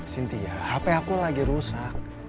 sintia hp aku lagi rusak